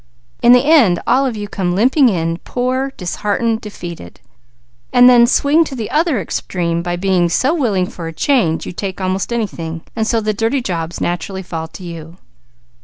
In the end all of you come limping in, poor, disheartened, defeated, and then swing to the other extreme, by being so willing for a change you'll take almost anything, and so the dirty jobs naturally fall to you."